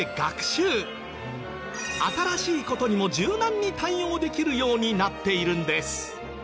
新しい事にも柔軟に対応できるようになっているんです。